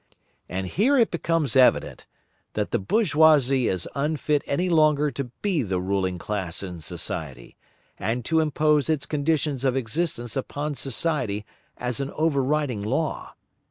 And here it becomes evident, that the bourgeoisie is unfit any longer to be the ruling class in society, and to impose its conditions of existence upon society as an over riding law.